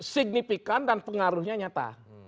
signifikan dan pengaruhnya nyata